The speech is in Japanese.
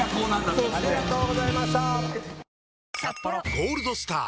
「ゴールドスター」！